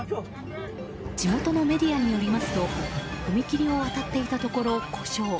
地元のメディアによりますと踏切を渡っていたところ故障。